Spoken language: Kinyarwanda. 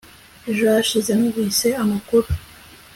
ejo hashize numvise amakuru